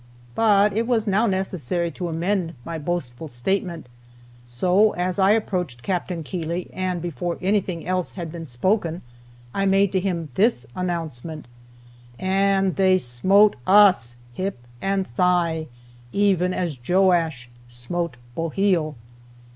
But it was now necessary to amend my boastful statement, so as I approached Capt. Keeley, and before anything else had been spoken, I made to him this announcement: "And they smote us, hip and thigh, even as Joash smote Boheel!"